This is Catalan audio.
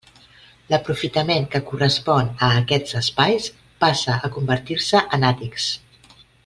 L'aprofitament que correspon a aquests espais passa a convertir-se en àtics.